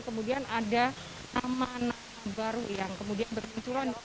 kemudian ada taman baru yang kemudian berluncuran